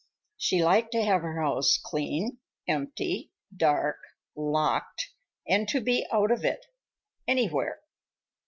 She liked to have her house clean, empty, dark, locked, and to be out of it—anywhere.